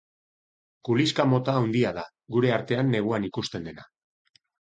Kuliska mota handia da, gure artean neguan ikusten dena.